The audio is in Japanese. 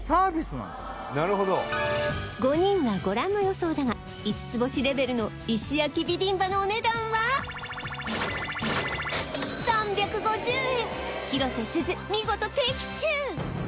なるほど５人はご覧の予想だが五つ星レベルの石焼ビビンバのお値段は広瀬すず見事的中！